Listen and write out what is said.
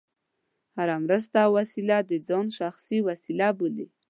هره مرسته او وسیله د ځان شخصي وسیله بولي.